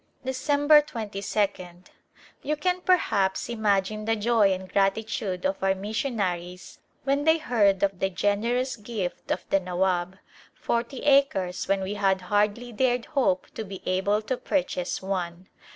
December 22d, You can, perhaps, imagine the joy and gratitude of our missionaries when they heard of the generous gift of the Nawab, y^r(y acres when we had hardly dared hope to be able to purchase one.